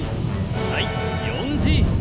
はい４Ｇ。